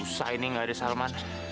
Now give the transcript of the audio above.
susah ini gak ada salman